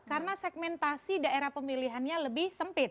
karena segmentasi daerah pemilihannya lebih sempit